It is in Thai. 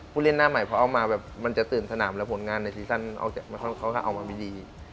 ผู้เล่นหน้าใหม่พอเอามามันจะตื่นสนามและผลงานในซีสั้นน์เอามาไม่ดี